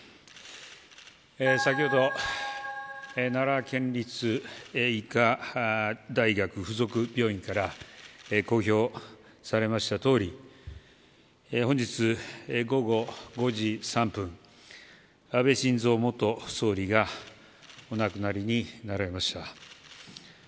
先ほど奈良県立医科大学附属病院から公表されましたとおり本日午後５時３分安倍晋三元総理がお亡くなりになられました。